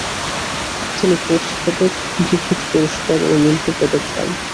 তিনি কোট্স পদক, গ্রিফিথ পুরস্কার ও মিন্টো পদক পান।